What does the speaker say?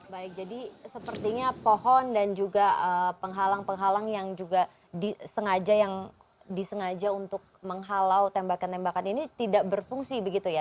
baik jadi sepertinya pohon dan juga penghalang penghalang yang juga disengaja untuk menghalau tembakan tembakan ini tidak berfungsi begitu ya